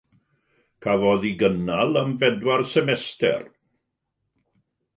Cafodd ei gynnal am bedwar semester.